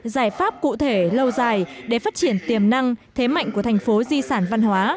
giải pháp cụ thể lâu dài để phát triển tiềm năng thế mạnh của thành phố di sản văn hóa